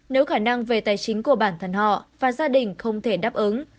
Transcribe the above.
nếu khả năng về tài chính của bản thân họ và gia đình không thể đáp ứng